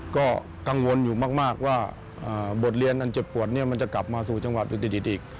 ก็กังวลอยู่มากว่าบทเรียนอันเจ็บปวดเนี่ยมันจะกลับมาสู่จังหวัดอื่นอีก